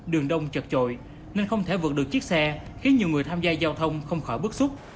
đường đông trật trội nên không thể vượt được chiếc xe khiến nhiều người tham gia giao thông không khỏi bức xúc